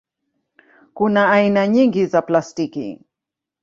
Kuna aina nyingi za plastiki.